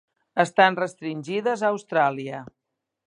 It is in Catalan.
Estan restringides a Austràlia.